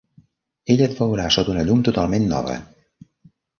Ella et veurà sota una llum totalment nova.